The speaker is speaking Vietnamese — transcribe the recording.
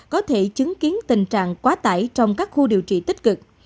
có thể chứng kiến tình trạng quá tải trong các khu điều trị tích cực